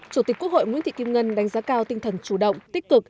chủ tịch quốc hội nguyễn thị kim ngân đánh giá cao tinh thần chủ động tích cực